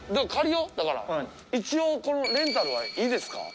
一応このレンタルはいいですか？